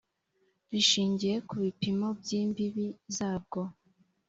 rishingiye ku bipimo by imbibi zabwo